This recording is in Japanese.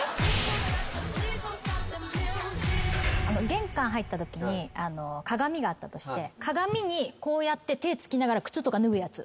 玄関入ったときに鏡があったとして鏡にこうやって手つきながら靴とか脱ぐやつ。